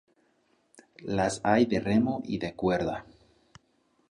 Las hay de remo y de cuerda.